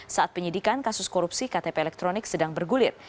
saat penyidikan kasus korupsi ktp elektronik sedang bergulir